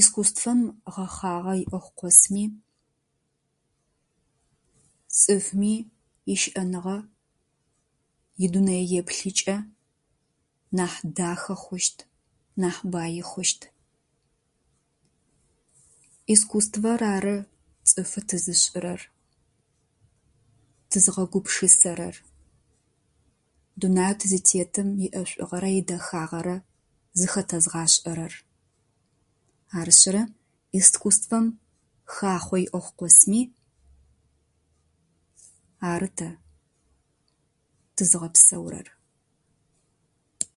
Искусствэм гъэхъагъэ иӀэу хъу къэсми цӀыфми ищыӀэныгъэ, идунэееплъыкӀэ нахь дахэ хъущт, нахь баи хъущт. Искусствэр ары цӀыфы тызышӀырэр, тызгъэгупшысэрэр, дунаеу тызытетым иӀэшӀугъэрэ идэхагъэрэ зыхэтэзгъашӀэрэр. Арышъыры, искусствэм хахъо иӀэ хъу къэсми ары тэ тызгъэпсэурэр